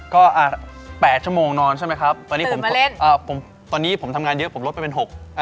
ก็๘ชั่วโมงนอนใช่ไหมครับตอนนี้ผมตอนนี้ผมทำงานเยอะผมลดไปเป็น๖